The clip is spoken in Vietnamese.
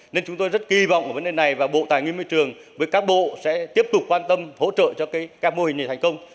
nên chúng tôi rất kỳ vọng về vấn đề này và bộ tài nguyên môi trường với các bộ sẽ tiếp tục quan tâm hỗ trợ cho các mô hình này thành công